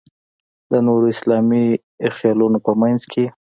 د نورو اسلامي خېلونو په منځ کې.